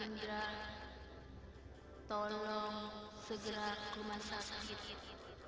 pak indra tolong segera kemas sakit